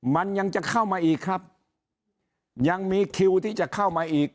มันยังจะเข้ามาอีกครับยังมีคิวที่จะเข้ามาอีก